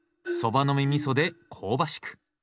そばの実みそで香ばしく。